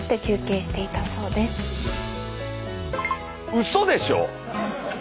うそでしょ？